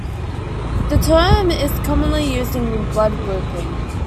This term is commonly used in blood grouping.